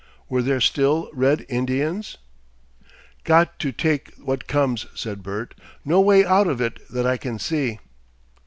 (Were there still Red Indians?) "Got to take what comes," said Bert. "No way out of it that I can see!"